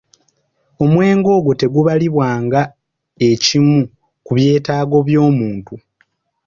Omwenge ogwo tegubalibwa ng'ekimu ku byetaago by'omuntu.